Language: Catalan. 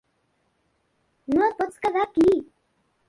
No et pots quedar aquí.